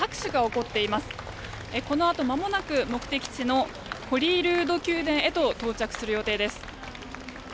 このあと、まもなく目的地のホリールード宮殿へと到着する予定です。